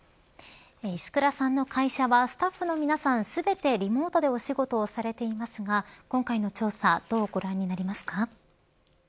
石倉さんの会社はスタッフの皆さん全てリモートでお仕事をされていますが今回の調査どうご覧になりますか。